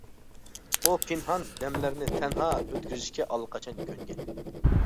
ئۇ پىنھان دەملەرنى تەنھا ئۆتكۈزۈشكە ئاللىقاچان كۆنگەن.